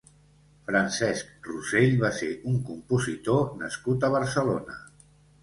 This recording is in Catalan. Francesc Rossell va ser un compositor nascut a Barcelona.